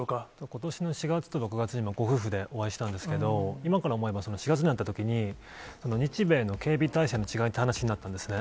ことしの４月とか、５月にご夫婦でお会いしたんですけど、今から思えば、４月に会ったときに、日米の警備態勢の違いって話になったんですね。